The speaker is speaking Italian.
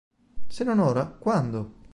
Se non ora, quando?